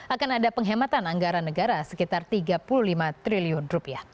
akan ada penghematan anggaran negara sekitar rp tiga puluh lima triliun